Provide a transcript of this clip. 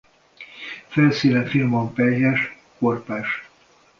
Felszíne finoman pelyhes-korpás.